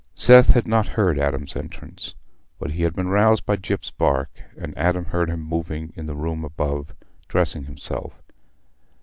Seth had not heard Adam's entrance, but he had been roused by Gyp's bark, and Adam heard him moving about in the room above, dressing himself.